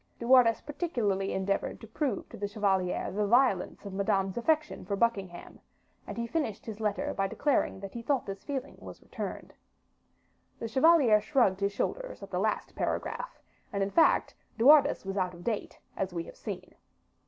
De Wardes particularly endeavored to prove to the chevalier the violence of Madame's affection for Buckingham, and he finished his letter by declaring that he thought this feeling was returned. The chevalier shrugged his shoulders at the last paragraph, and, in fact, De Wardes was out of date, as we have seen.